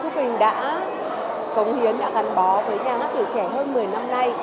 thu quỳnh đã cống hiến đã gắn bó với nhà hát tuổi trẻ hơn một mươi năm nay